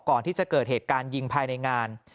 ก่อนที่จะเกิดเหตุการณ์ยิงภายในงาน